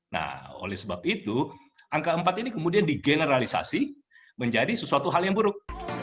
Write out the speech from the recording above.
nah oleh sebab itu angka empat ini kemudian digeneralisasi menjadi sesuatu hal yang buruk